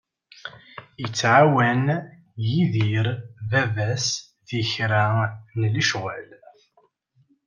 Ittɛawan Yidir baba-s di kra n lecɣal.